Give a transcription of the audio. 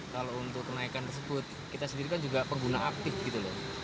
kalau untuk kenaikan tersebut kita sendiri kan juga pengguna aktif gitu loh